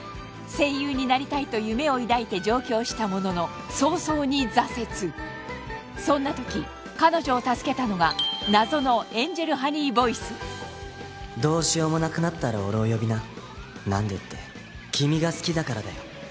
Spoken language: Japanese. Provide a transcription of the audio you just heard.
声優になりたいと夢を抱いて上京したものの早々に挫折そんなとき彼女を助けたのが謎のエンジェルハニーボイス・どうしようもなくなったら俺を呼びな何でって君が好きだからだよ